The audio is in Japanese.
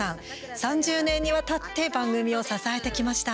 ３０年にわたって番組を支えてきました。